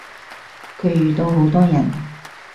佢遇到好多人